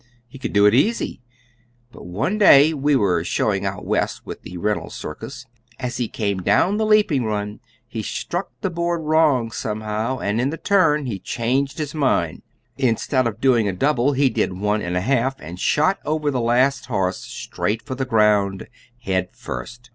He could do it easy. But one day we were showing out west with the Reynolds circus as he came down the leaping run he struck the board wrong, somehow, and in the turn he changed his mind; instead of doing a double he did one and a half and shot over the last horse straight for the ground, head first.